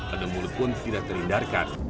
adu mulut pun tidak terhindarkan